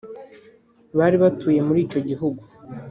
bari batuye muri icyo gihugu.